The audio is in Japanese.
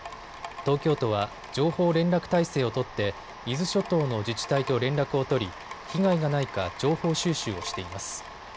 東京都は情報連絡体制を取って伊豆諸島の自治体と連絡を取り被害がないか情報収集をしています。